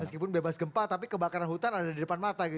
meskipun bebas gempa tapi kebakaran hutan ada di depan mata gitu